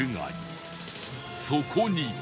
そこに